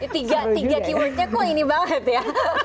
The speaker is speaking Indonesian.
tiga tiga keywordnya kok ini banget ya